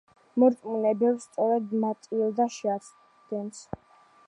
მორწმუნე ბერს სწორედ მატილდა შეაცდენს.